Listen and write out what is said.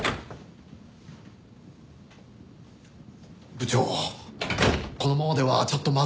部長このままではちょっとまずいかと。